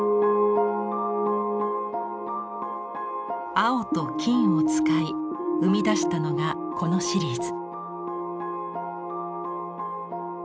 青と金を使い生み出したのがこのシリーズ。